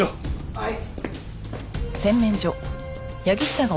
はい。